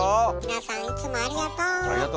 皆さんいつもありがと！